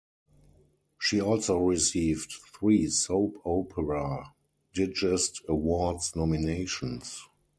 She also received three Soap Opera Digest Awards nominations.